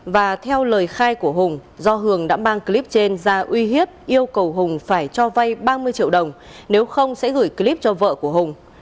và theo lời khai của hùng do hường đã mang clip trên ra uy hiếp yêu cầu hùng phải cho vay ba mươi triệu đồng nếu không sẽ gửi clip cho vợ của hùng